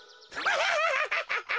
ハハハハハハ！